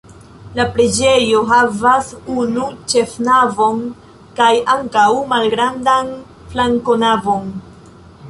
La preĝejo havas unu ĉefnavon kaj ankaŭ malgrandan flankonavon.